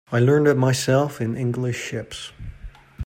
I learned it myself in English ships.